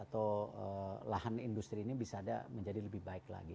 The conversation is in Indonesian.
atau lahan industri ini bisa menjadi lebih baik lagi